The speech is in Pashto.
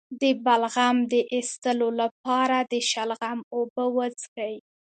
د بلغم د ایستلو لپاره د شلغم اوبه وڅښئ